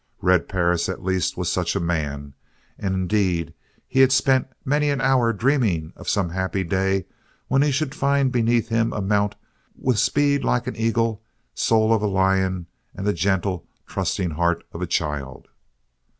Red Perris, at least, was such a man, and indeed he spent many an hour dreaming of some happy day when he should find beneath him a mount with speed like an eagle, soul of a lion, and the gentle, trusting heart of a child.